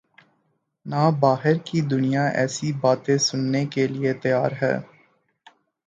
نہ باہر کی دنیا ایسی باتیں سننے کیلئے تیار ہے۔